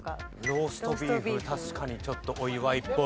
ローストビーフ確かにちょっとお祝いっぽい。